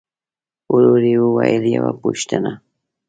ورو يې وويل: يوه پوښتنه!